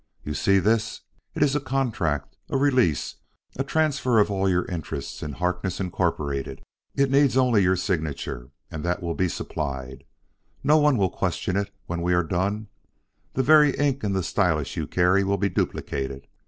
You see this? It is a contract; a release, a transfer of all your interests in Harkness, Incorporated. It needs only your signature, and that will be supplied. No one will question it when we are done: the very ink in the stylus you carry will be duplicated.